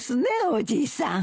おじいさん。